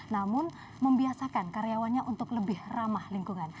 namun membiasakan karyawannya untuk lebih ramah lingkungan